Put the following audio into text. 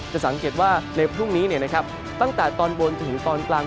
จะสังเกตว่าในพรุ่งนี้ตั้งแต่ตอนบนจนถึงตอนกลาง